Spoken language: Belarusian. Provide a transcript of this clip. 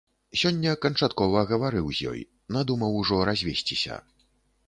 Сёння канчаткова гаварыў з ёй, надумаў ужо развесціся.